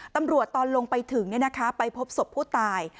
ตำรวจตอนลงไปถึงไปพบสมผู้ตาย